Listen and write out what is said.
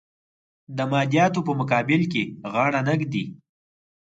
د مادیاتو په مقابل کې غاړه نه ږدي.